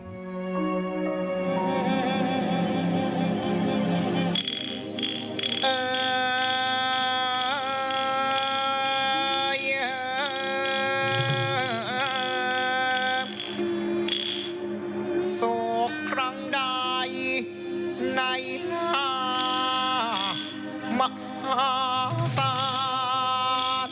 ในบังค์วิทยาลัยโฮนเนียว